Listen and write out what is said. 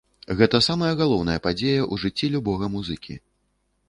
Гэта самая галоўная падзея ў жыцці любога музыкі.